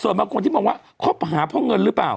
ส่วนบางคนที่มองว่าคบหาเพราะเงินหรือเปล่า